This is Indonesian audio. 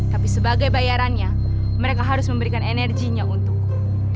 tapi sebagai bayarannya mereka harus memberikan energinya untukku